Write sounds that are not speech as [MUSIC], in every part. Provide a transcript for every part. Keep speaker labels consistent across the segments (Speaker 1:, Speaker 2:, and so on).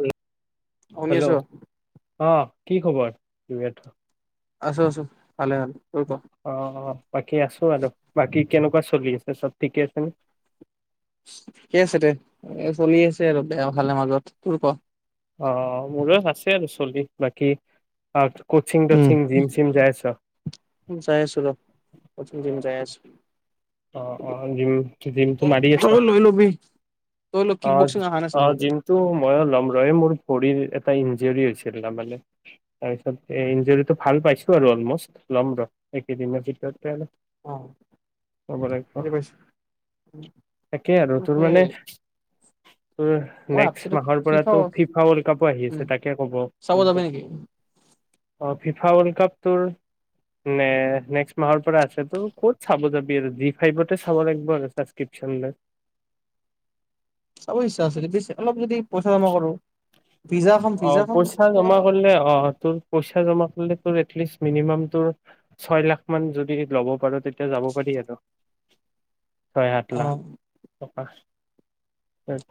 Speaker 1: উম।
Speaker 2: শুনি
Speaker 1: হেল্ল',
Speaker 2: আছো
Speaker 1: অ' কি খবৰ ল'ৰাটো?
Speaker 2: আছো আছো। ভালে ভালে তোৰ ক
Speaker 1: অ'অ বাকী আছো আৰু। বাকী। কেনেকুৱা চলি আছে চব ঠিকে আছে নে?
Speaker 2: ঠিকে আছে দে। চলি আছে আৰু বেয়া ভালে মাজত। তোৰ ক?
Speaker 1: অ' মোৰো আছে আৰু চলি। বাকী অ'
Speaker 2: উম, যায় আছো ৰ। কচিং, জিম যায় আছো।
Speaker 1: অ' অ' জিম, জিমটো মাৰি আছো।
Speaker 2: তই লৈ লবি তই লৈ কিক বক্সিং
Speaker 1: অ',
Speaker 2: অহা নাছিল মোৰ
Speaker 1: অ'
Speaker 2: তাত
Speaker 1: জিমটো মইও লম ৰহ এই মোৰ ভৰি এটা ইঞ্জৰি ইঞ্জৰি হৈছিল তাৰ মানে, তাৰপিছত ইঞ্জৰিটো ভাল পাইছো আৰু অলমোস্ট, ল'ম ৰ এই কেইদিনৰ ভিতৰতে।
Speaker 2: অঁ
Speaker 1: কব লাগিব। তাকে আৰু
Speaker 2: সেই
Speaker 1: তোৰ
Speaker 2: মই
Speaker 1: মানে ত নেক্সট
Speaker 2: ভাবছিলো
Speaker 1: মাহৰ
Speaker 2: ফিফা
Speaker 1: পৰাো ফিফা ৱৰ্ল্ড কাপো আহি
Speaker 2: উম
Speaker 1: আছে তাকে ক'ব। অ
Speaker 2: চাব যাবি নেকি
Speaker 1: ফিফা ৱৰ্ল্ড কাপ তোৰ ন নেক্ মাহৰ পৰা আছে তোৰ ক'ত চাব যাবি জি ফাইভতে চাব লাগিব আৰু ছাব্ক্ৰিপচন লয়।
Speaker 2: চাব ইচ্ছা আছিলে ব অলপ যদি। পইচা জমা কৰো ভিজাখন
Speaker 1: অ
Speaker 2: ভিজাখন
Speaker 1: পইচা জমা কৰিলে আহ তোৰ পইচা জমা। ম ত ছয় লাখ মান যদি ল'ব পাৰ তেতিয়া যাব পাৰি আৰু। ছয়
Speaker 2: অ
Speaker 1: আত লাখ। ককা।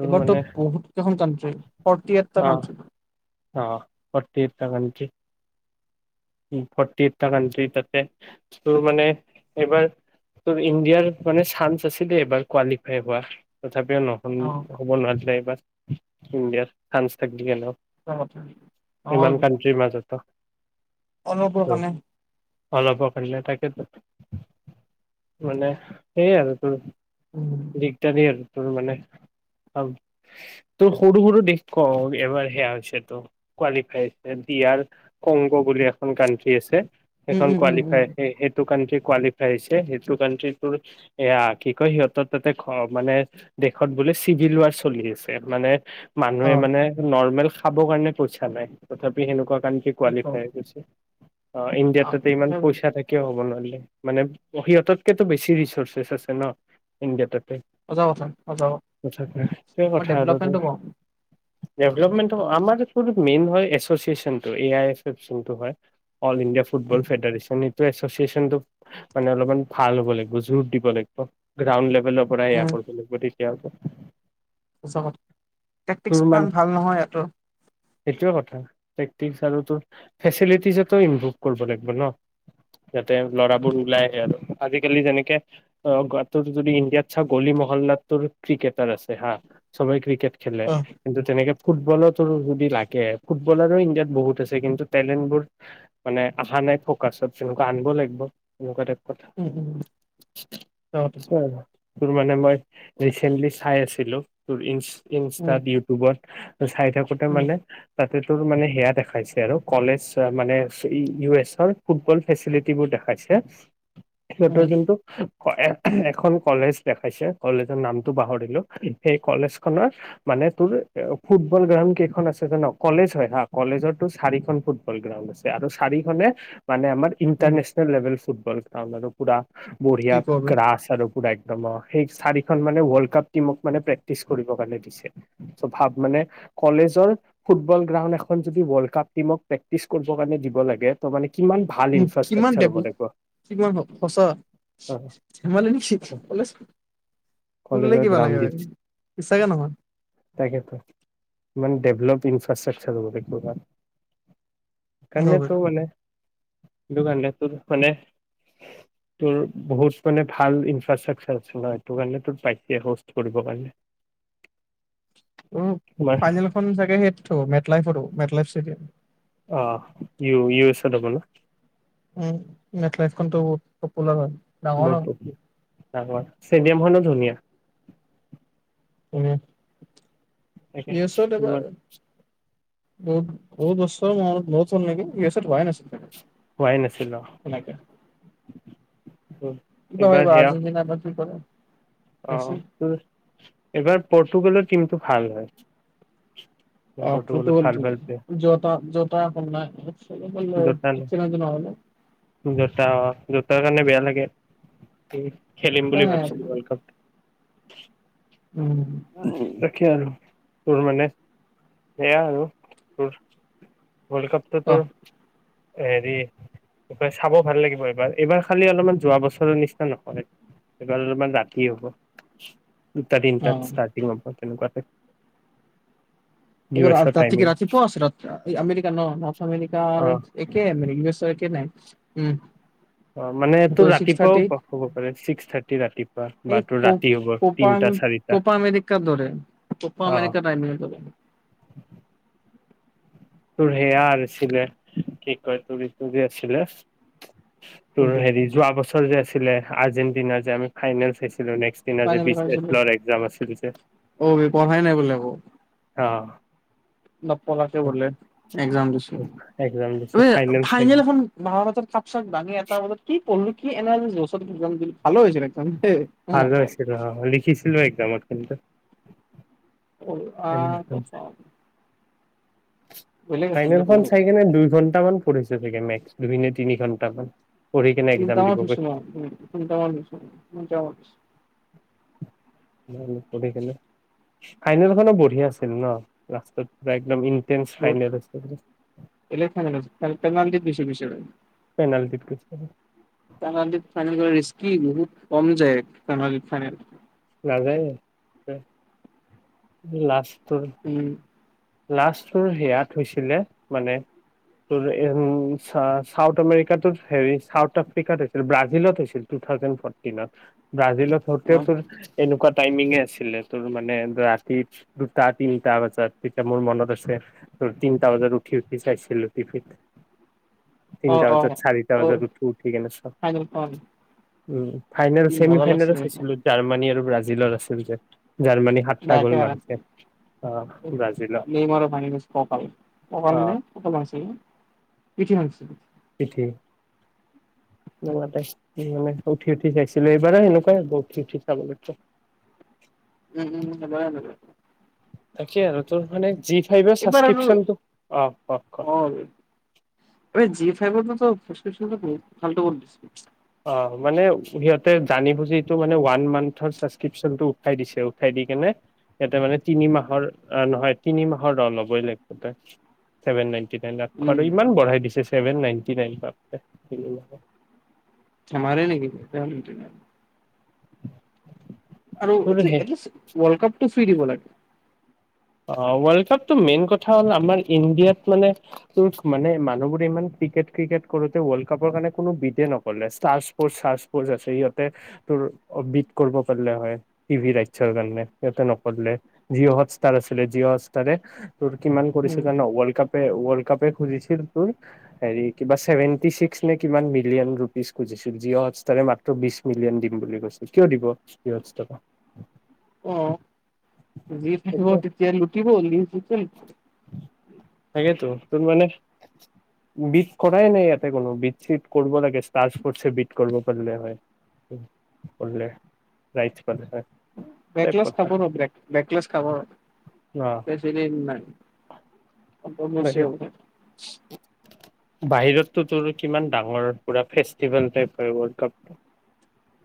Speaker 2: এবাৰতো বহুত। কানট্ৰি ফৰ্টি এটা
Speaker 1: অ
Speaker 2: কানট্ৰি।
Speaker 1: অ forty eighty country. Forty eighty country তাতে তোৰ মানে এইবাৰ তোৰ ইণ্ডিয়াৰ মানে চান্স আছিলে। এইবাৰ কোৱালিফাই হোৱা। হিচাপেও ন
Speaker 2: অ
Speaker 1: হ'ব নোৱাৰছিলে এই বা। ইণ্ডিয়াৰ চান্স থাকিল ন
Speaker 2: সঁচা কথা নহ'ল
Speaker 1: ইমানমান কাউন্ট্ৰী মাজতো
Speaker 2: অলপৰ কাৰণে
Speaker 1: অলপকিল তাকেত। মানে সেইয়য় আৰু তোৰ।
Speaker 2: উম
Speaker 1: দিগদাৰি আৰু। তোৰ মানে তোৰ সৰু সৰু দে ক এবাৰ সেয়া হৈছে। ত কোৱালিফাই দিয়াৰ ক বুলি এখন কানট্ৰি আছে।
Speaker 2: উম
Speaker 1: সেইখন
Speaker 2: উম উম উম
Speaker 1: কোৱালিফাই স সেইটো। কট কোৱালিফাই হৈছে। সেইটো কানণ্ট্ৰিৰ এয়া কি কয় সিহঁত তাতে মানে দেশত বুলিো চিভিল ৱাৰ চলি আছে মানে। মানুহে
Speaker 2: অ',
Speaker 1: মানে নৰ্মেল। খাব কাৰণে পইছা নাই তথাপি সেনেকুৱা। কাউন্ট্ৰী
Speaker 2: কি
Speaker 1: কোৱা লি গৈ
Speaker 2: কওঁ
Speaker 1: অ ইণ্ডিয়াত
Speaker 2: অ',
Speaker 1: তাতে ইমান পইচা থাকেও হ'ব নোৱাৰি। মানে সিহঁততকেতো বেছি ৰিচৰ্চছ আছে ন ইণ্ডিয়াতত।
Speaker 2: জাবজ মই ডেভলপমেণ্টটো ক।
Speaker 1: ডেভপমেন্ট আমাৰ এই মেইন হয় এছচিয়েচনটো এ আই। চাচেন্টটো হয়। All India
Speaker 2: um,
Speaker 1: football federation. চিটিএচনটো অলপমান ভাল হ'ব লাগিব। যোৰ দিব লাগিব। ৰ পৰাই এয়া কৰিব লাগিব দি। [UNINTELLIGIBLE]
Speaker 2: সচক্টিক ভাল নহয় ইটো
Speaker 1: সেইটোয়ে কথা প্ৰেক্টিক আৰু তোৰ ফেচিটিজ ইমপ্ৰুভ কৰিব লাগিব ন' যাতে ল'ৰাবোৰ ওলাই আহে আৰু আজিকালি যেনেকে ত যদি ইণ্ডিয়াত চা গলি মহল্লাত ত ক্ৰিকেটাৰ আছে হা, চবেই ক্ৰিকেট খেলে
Speaker 2: অ',
Speaker 1: কিন্তু তেনেকে ফুটবলতো যদি লাগে ফুটবলাৰো ইণ্ডিয়াত বহুত আছে কিন্তু তেলেন্টবোৰ মানে অ', আহা নাই ফ'কাচত আনিব লাগিব এনেকুৱা টাইপ কথা
Speaker 2: উম, উম, অ'।
Speaker 1: আছে আৰু। তোৰ মানে মই ৰিচেন্টলি চাই আছিলো তোৰ ই
Speaker 2: উম,
Speaker 1: ইনষ্টাত, ইউটিউবত। চাই থাকোতে
Speaker 2: উম,
Speaker 1: মানে তাতে তোৰ মানে সেয়া দেখাইছে আৰু। কলেজ মানে ইউ এছৰ ফুটবল ফেচিলিটিবোৰ দেখাইছে। সিহঁতৰ
Speaker 2: উম,
Speaker 1: যোনটো এখন কলেজ দেখাইছে কলেজৰ নামটো পাহৰিলো, সেই কলেজ খনৰ মানে তোৰ ফুটবল গ্ৰাউণ্ড কেইখন আছে জান কলেজ হয় হা কলেজৰ চাৰিখন ফুটবল গ্ৰাউণ্ড আছে আৰু চাৰিখনে মানে আাৰ
Speaker 2: উম,
Speaker 1: ইণ্টাৰনেশ্যনেল লেভেল ফুটবল। অ', মানুহ ফুৰা
Speaker 2: কি
Speaker 1: বঢ়িয়া
Speaker 2: কওঁ বে
Speaker 1: ক্ৰাছ আৰু পুৰা এক একম সেই চাৰিখন মানে ৱৰ্ল্ড কাপ টিমক মানে প্ৰেক্টিচ কৰিব কাৰণে দিছে চ' ভাব মানে কলেজৰ ফুটবল গ্ৰাউণ্ড এখন যদি ৱৰ্ল্ড কাপ টিমক প্ৰেক্টিছ কৰিবৰ কাৰণে দিব লাগে ত' মানে কিমান ভাল
Speaker 2: উম, কিমান
Speaker 1: ইনফ্ৰাষ্ট্ৰাকচাৰ
Speaker 2: ডেভ
Speaker 1: হ'ব লাগিব
Speaker 2: কিমান সঁচা
Speaker 1: অ,
Speaker 2: ধেমালি নেকি
Speaker 1: অ।
Speaker 2: শুনিলে
Speaker 1: কলেজৰ
Speaker 2: কিবা লাগে
Speaker 1: গ্ৰাউণ্ডিত
Speaker 2: বিশ্বাসে নহয়।
Speaker 1: তাকেতো ইমান ডেভলপ ইনফ্ৰাষ্ট্ৰাকচাৰ হ'ব কাৰ [UNINTELLIGIBLE]
Speaker 2: অ', বে।
Speaker 1: সেইটো কাৰণে তোৰ মানে তোৰ বহুত মানে ভাল ইনফ্ৰাষ্ট্ৰাকচাৰ আছে ন' সেইটো কাৰণে তোৰ পাইছে হ'ষ্ট কৰিব কাৰণে।
Speaker 2: অ',
Speaker 1: তোমাৰ
Speaker 2: ফাইনেল খন চাগে সেই মেটলাই মেটলাইফি
Speaker 1: অ', ইউ ইউ এছ এ
Speaker 2: উম, মেথাইখনতো বহুত পপুলাৰ হয়। ডাঙৰ
Speaker 1: বৰপুত তৰ চ্টেডিয়াম খনো ধুনীয়া।
Speaker 2: উম।
Speaker 1: তাকে ধ
Speaker 2: বহুত, বহুত বছৰ মূৰত নতোন ইউ এছ ত হোৱাই নাছিলে।
Speaker 1: পোৱাই নাছিলো।
Speaker 2: কিবা হয় আৰ্জেটিনাৰ বা কি কৰেছে
Speaker 1: এবাৰ পৰ্তুগালত টিমটো ভাল হয়।
Speaker 2: অ',
Speaker 1: পৰ্টুগালত
Speaker 2: ফুটবল
Speaker 1: ভাল ভাল প্লেয়াৰ
Speaker 2: জতত [UNINTELLIGIBLE] চল বল
Speaker 1: জোতা
Speaker 2: উ নাজ নহ'লে।
Speaker 1: জোতা অ', জোতাৰ কাৰণে বেয়া লাগে উম। খেলিম
Speaker 2: নাই
Speaker 1: বুলি
Speaker 2: আৰু।
Speaker 1: ভাবছিলো ৱৰ্ল্ড কাপ।
Speaker 2: উম।
Speaker 1: তাকে আৰু তোৰ মানে সেয়া আৰু তোৰ ৱৰ্ল্ড কাপটোটো
Speaker 2: অ
Speaker 1: হেৰি এইবাৰ চাব ভাল লাগিব এইবাৰ এইবাৰ খালি অলপমান যোৱা বছৰৰ নিচিনা নকৰে এইবাৰ অলপমান ৰাতি হ'ব। দুটা
Speaker 2: অ
Speaker 1: তিনিটাত ষ্টাৰ্টিং পৰা তেনেকুৱা
Speaker 2: এইব
Speaker 1: এছৰ
Speaker 2: ৰাতি কি
Speaker 1: টাইমিং
Speaker 2: ৰাতি পুৱা আছে ৰা আমেৰিকা ন' নৰ্থ আমেৰিকা
Speaker 1: অ
Speaker 2: আৰু একে মানে ইউ এছৰ একে নাই। উম।
Speaker 1: অ', মানে তোৰ
Speaker 2: ত' ছিক্স
Speaker 1: ৰাতিপুৱাও
Speaker 2: থাৰ্টি
Speaker 1: ক'ব পাৰে ছিক্স থাৰ্টি ৰাতি বা
Speaker 2: এই
Speaker 1: তোৰ
Speaker 2: ক
Speaker 1: হ'ব
Speaker 2: কোপা
Speaker 1: তিনটা চাৰিটা
Speaker 2: কোপা আমেৰিকাৰ দৰে কোপা
Speaker 1: অ
Speaker 2: আমেৰিকাৰ টাইমি ধৰে।
Speaker 1: তোৰ সেয়া আছিলে কি কয় তুৰি তুৰি আছিলে। তোৰ
Speaker 2: কোনটো
Speaker 1: হেৰি যোৱা বছৰ যে আছিল ছিলে আৰ্জেণ্টিনাৰ যে ফাইনেল চাই
Speaker 2: ফাইনেল খেলিছিলে।
Speaker 1: [UNINTELLIGIBLE] আছিল যে
Speaker 2: অ পঢ়াই নাই বোলে
Speaker 1: অ'।
Speaker 2: ন' পলছে ব'লে।
Speaker 1: এক্সাম দিছো
Speaker 2: দি
Speaker 1: ফাইনেল চাই
Speaker 2: ফনেল চ চাঙি এটা কি পঢ়লো কি এনা যি ভালো হৈ হৈছে একদম।
Speaker 1: ভাল আছিল লিখিছিলো একজামত। কিন্তু
Speaker 2: অ', অহ, কচ
Speaker 1: ফাইনেল খন চাই কিনে দুই ঘন্টা মান পৰি থাগে মে দুভিনে তিনি ঘণ্টামান
Speaker 2: তিনিটামত ছো তিনিটামানছ নি মছ
Speaker 1: নে ফাইনেলখনো বঢ়িয়া আছিল ন' লাস্তত পুৰা একদম ইন্টেন্স
Speaker 2: [UNINTELLIGIBLE] কি
Speaker 1: ফাইনেল আছিল পেনাল্টিত গৈছে
Speaker 2: বহুত কম যায়, কল ফাইনেল।
Speaker 1: নাযায়, লাছ
Speaker 2: উম।
Speaker 1: লাষ্ট তোৰ সেয়াত হৈছিলে, মানে তোৰ উম, চাউথ আমেৰিকাত হেৰি চাউথ আফ্ৰিকাত হৈছিল ব্ৰাজিলত হৈছিল টু থাউজেণ্ড ফৰ্টিনত। ব্ৰাজিলত
Speaker 2: অ
Speaker 1: হওঁতেও তোৰ এনেকুৱা টাইমিঙে আছিলে তোৰ মানে ৰাতি দুটা তিনিটা বজাত। তেতিয়া মোৰ মনত আছে, তিনটা বজাত উঠি উঠি চাইছিলো টিভিত।
Speaker 2: অ
Speaker 1: তিনিটা
Speaker 2: অ
Speaker 1: বজাত, চাৰিটা
Speaker 2: অ
Speaker 1: বজাত উঠো, উঠি কিনে চাওঁ।
Speaker 2: ফাইনেলখন
Speaker 1: উম। ফাইনেল
Speaker 2: কি
Speaker 1: চেমি
Speaker 2: মজা
Speaker 1: ফাইনেলত
Speaker 2: লাগিছিলে
Speaker 1: চাইছিলো জাৰ্মানী আৰু ব্ৰাজিলত আছিল যে। জাৰ্মানী সাতটা গ'ল
Speaker 2: বেয়াকে হাৰাইছিল
Speaker 1: মাৰিছে, অ'। ব্ৰাজিলত
Speaker 2: [UNINTELLIGIBLE]
Speaker 1: অ
Speaker 2: [UNINTELLIGIBLE]
Speaker 1: মানে উঠি উঠি চাইছিলো এইবাৰেই এনেকুৱাই হ'ব উঠি উঠি চাব লাগিব।
Speaker 2: উম, উম [UNINTELLIGIBLE]
Speaker 1: তাকে আৰু তোৰ মানে যি মই এইবাৰ চাছস্কৃপছনটো, অ', ক' ক'।
Speaker 2: অ চাছস্কৃপচনটো বহূত ফাল্টো কৰি দিছে।
Speaker 1: অ', মানে সিহঁতে জানি বুজিটো মানে এইটো ওৱান মান্থৰ ছাবক্ৰিপচনটো উঠাই দিছে, উঠাই দি কিনে সিহ'তে মানে তিনি মাহৰ নহয় তিনি মাহৰ ৰ ল'বই লাগিব তই, চভেন নিইন ল'
Speaker 2: উম
Speaker 1: আৰু ইমান বঢ়াই দিছে ছেভেন নাইনটি নাইন, বাপৰে।
Speaker 2: ধেমালী নেকি আৰু
Speaker 1: তোৰ
Speaker 2: এটলিষ্ট, এটলিষ্ট ওৱৰ্লডকাপ টো ফ্ৰী দিব লাগে।
Speaker 1: অ' ওৱৰ্লড কাপতো মেইন কথা হ'ল আমাৰ ইণ্ডিয়াত মানে তোৰ মানে মানুহবোৰে ইমান ক্ৰিকেট, ক্ৰিকেট কৰোঁতে কৰোঁতে ৱ'ৰ্লড কাপৰ কাৰণে কোনো বিটে নকৰিলে, ষ্টাৰ স্পৰ্তচ ৰ্চপ'ৰ্চ আছে সিহ'তে তোৰ বিট কৰিব পাৰে হয়, টিভি ৰাইৰ্চৰ কাৰণে সিহঁতে নকৰিলে জিঅ' তাৰ আছিলে জি'অ হ'টষ্টাৰে আছে তাৰে তোৰ কিমান কৰিছে
Speaker 2: উম
Speaker 1: জান? ৱৰ্ল্ড কাপে ওৰ্ল্ড কােপ খুজিছিল তোৰ, হেৰি কিবা চেভেন্তিছিক্স নে কিমান মিলিয়ন ৰুপিজ খুজিছিল, জিঅ' হটষ্টাৰে মাত্ৰ বিশ মিলন দিম বুলি কৈছে, কিয় দিব?
Speaker 2: অ'। যি থাকিব তেতিয়াই লুটিব যি [UNINTELLIGIBLE]
Speaker 1: সেয়েতো। তোৰ মানে বিট কৰাই নাই ইয়াতে কোনও, বিট চীট কৰিব লাগে ষ্টাৰ স্পৰ্টছে বিট কৰিব পাৰিলে হয়, ৰাইটচ পালে হয়। টাইপ কথা অ
Speaker 2: [UNINTELLIGIBLE] অ বছ
Speaker 1: বাহিৰতোৰো কিমান ডাঙৰ পুৰা ফেষ্টিভেল টাইপ হয় ৱৰ্ল্ড কাপটো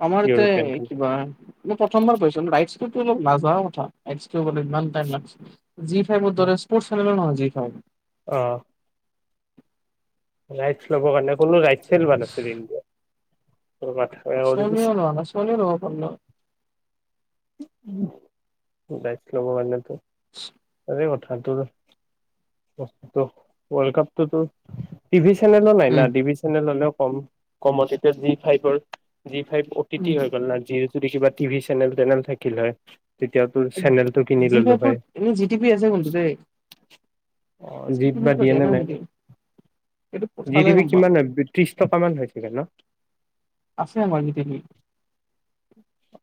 Speaker 2: আমাৰ এয়া কিবা প্ৰথমবাৰ কৈছ ো অল নযা কথা কিয় াই লাগ জি ফাইৰ মৰে সৰ্ যি খ
Speaker 1: আহ ৰাইটছ ল'বৰ কাৰণে কোনো ৰাইট চেল নাছিল ইণ্ডিয়া মাথা বেয়া কৰি দিছে
Speaker 2: সোনিয় ল ন সোনিয় ল পন
Speaker 1: গছিল ব কাৰানলেতো
Speaker 2: উ
Speaker 1: কথাটো ৰ্লড কাপটোতো টিভি চেনেলৰ নাই ন
Speaker 2: উম।
Speaker 1: টিভি চেনেললৈ কম কমত এতিয়া জি ফাইভাৰ জি ফাইভ অটিটি
Speaker 2: উম,
Speaker 1: হৈ গল না জি যদি কিবা টিভি চেনেল টেনেল থাকিল হয় তেতিয়া তোৰ চেনেলটো কিনি
Speaker 2: জি
Speaker 1: ললো
Speaker 2: ফাইভৰ
Speaker 1: হয়
Speaker 2: এনে জি টি আছে কতে
Speaker 1: [INAUDIBLE] অ জিপ বা দিয়ে নে নাই
Speaker 2: নিদিয়ে সেইটো
Speaker 1: জি
Speaker 2: চালে
Speaker 1: দিবি
Speaker 2: গম পাম
Speaker 1: কিমান ত্ৰিশ টকাামান চগে ন
Speaker 2: আছে আমাৰ গতিয়া
Speaker 1: উ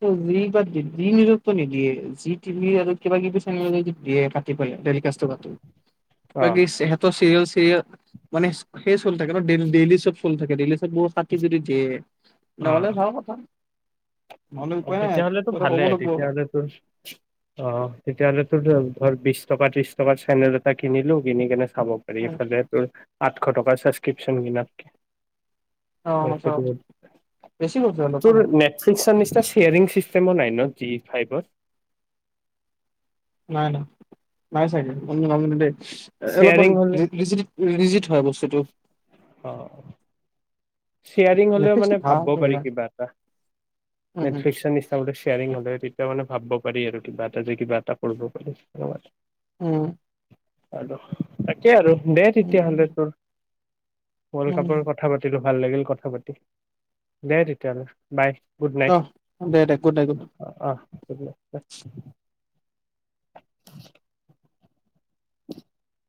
Speaker 2: হবি ব নি নিদিয়ে যি টিভি আৰু কিবা কিবি চেনে দিয়ে পাতি পেলিকাষ্ট
Speaker 1: অ
Speaker 2: বাকি সহঁতৰ চিৰিয়েল মানে সেই চল থাকে নেই ডেইলি চব চল থাকে ডেইলি চব বত কাাটি যদি দিয়ে নহ'লে ভওঁ পথা
Speaker 1: অ তেতিয়াহলে তো ভালে
Speaker 2: ক'ব লাগিব
Speaker 1: তেতিয়াহলে তোৰ অ তেতিয়াহলে তোৰ ধৰ বিশ টকা ত্ৰিশ টকাৰ চেনেল এটা কিনিলো কিনি কেনে খাব কৰি
Speaker 2: আৰু।
Speaker 1: ফাললে আঠশ টকাৰ ছাবস্ক্ৰিপশ্যন দমাতকি
Speaker 2: অ সঁচা
Speaker 1: সেইটো
Speaker 2: বেছি কৈছো অলপ
Speaker 1: তোৰ
Speaker 2: মানে
Speaker 1: নেটফ্লিক্স নি্চয় এটা চ্বেয়াৰিং চিষ্টেমো নাই ন জি ফাইভৰ
Speaker 2: অ ন নাই চাই ন দেই অলপমান
Speaker 1: শ্বেয়াৰিং হলে
Speaker 2: লৰিজিত হয় বস্তুটো
Speaker 1: অ চয়াৰিং হলেও মানে
Speaker 2: নেটফ্লিক্সটো ভাল
Speaker 1: ভাবিব পাৰি
Speaker 2: বঢ়িয়া
Speaker 1: কিবা এটা
Speaker 2: উম
Speaker 1: নেটফ্লিক্স হলে তেতিয়া মানে ভাবিব পাৰি আৰু কিবা এটা যে কিবা এটা কৰিব পাৰি
Speaker 2: উম
Speaker 1: আৰু তাকে আৰু দে
Speaker 2: উম
Speaker 1: তেতিয়াহ'লে তোৰ ৱৰ্ল্ড
Speaker 2: উম উম
Speaker 1: কাপৰ কথা পাতিলো ভাল লাগিল কথা পাতি দে তেতিয়াহ'লে বাই গুড
Speaker 2: অহ দে দে গুড নাইট
Speaker 1: নাইট
Speaker 2: গুড
Speaker 1: অ অঁ গুড নাইট [UNINTELLIGIBLE] [UNINTELLIGIBLE]